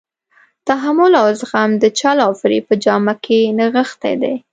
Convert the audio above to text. تحمل او زغم د چل او فریب په جامه کې نغښتی دی.